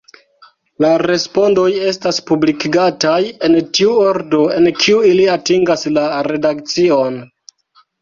La respondoj estas publikigataj en tiu ordo, en kiu ili atingas la redakcion.